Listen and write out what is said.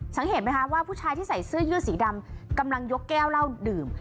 สังเกตไหมคะว่าผู้ชายที่ใส่เสื้อยืดสีดำกำลังยกแก้วเหล้าดื่ม